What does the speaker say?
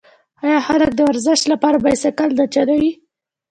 آیا خلک د ورزش لپاره بایسکل نه چلوي؟